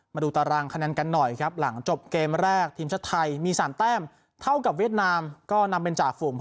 มาดูตารางคะแนนกันหน่อยครับหลังจบเกมแรกทีมชาติไทยมี๓แต้มเท่ากับเวียดนามก็นำเป็นจากฝูง๖